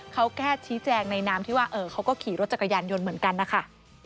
เขาแค่ชี้แจงในนามที่ว่าเขาก็ขี่รถจักรยานยนต์เหมือนกันนะคะ